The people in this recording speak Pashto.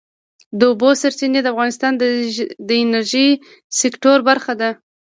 د اوبو سرچینې د افغانستان د انرژۍ سکتور برخه ده.